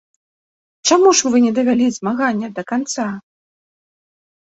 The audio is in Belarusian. — Чаму ж вы не давялі змагання да канца?